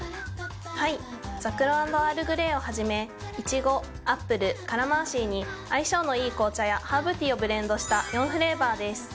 はい「ざくろ＆アールグレイ」をはじめいちごアップルカラマンシーに相性のいい紅茶やハーブティーをブレンドした４フレーバーです。